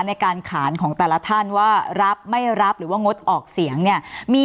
ในการขานของแต่ละท่านว่ารับไม่รับหรือว่างดออกเสียงเนี่ยมี